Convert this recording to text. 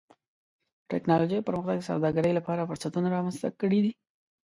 د ټکنالوجۍ پرمختګ د سوداګرۍ لپاره فرصتونه رامنځته کړي دي.